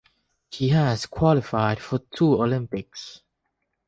He has qualified for two Olympics.